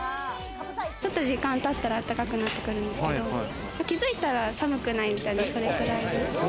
ちょっと時間経ったら、あったかくなってくるんですけど、気づいたら寒くないみたいな。